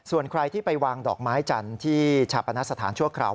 ส่วนใครที่ไปวางดอกไม้จันทร์ที่ชาปนสถานชั่วคราว